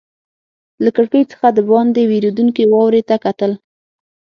له کړکۍ څخه دباندې ورېدونکې واورې ته کتل.